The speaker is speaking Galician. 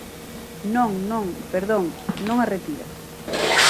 Non, non, perdón, non a retira.